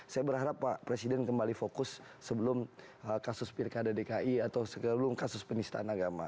saya berharap pak presiden kembali fokus sebelum kasus pilkada dki atau sebelum kasus penistaan agama